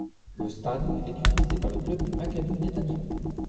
Le stade est utilisé par le club du Maccabi Netanya.